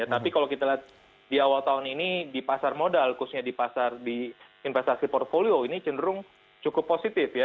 tapi kalau kita lihat di awal tahun ini di pasar modal khususnya di pasar di investasi portfolio ini cenderung cukup positif ya